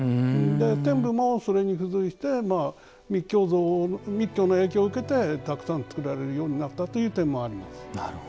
天部もそれに付随して密教の影響を受けてたくさん造られるようになったという点もあります。